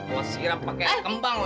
mau siram pakai kembang lo ya